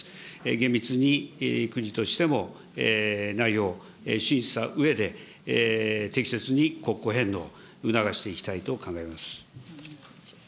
厳密に国としても、内容、審査したうえで、適切に国庫返納、促していきたいと考えます。